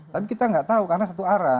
tapi kita nggak tahu karena satu arah